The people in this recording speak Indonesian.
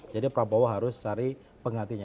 jadi prabowo harus cari penghatinya